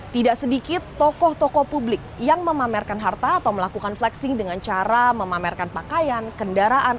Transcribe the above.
tidak sedikit tokoh tokoh publik yang memamerkan harta atau melakukan flexing dengan cara memamerkan pakaian kendaraan